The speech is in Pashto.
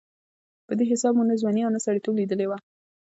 په دې حساب مو نه ځواني او نه سړېتوب لېدلې وه.